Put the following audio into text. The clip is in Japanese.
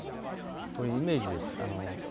これはイメージです。